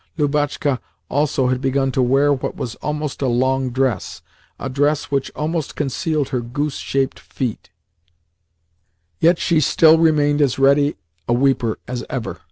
Lubotshka also had begun to wear what was almost a long dress a dress which almost concealed her goose shaped feet; yet she still remained as ready a weeper as ever.